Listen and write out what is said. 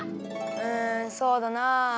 うんそうだな。